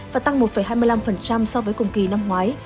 và tăng một hai mươi năm so với cùng kỳ năm ngoái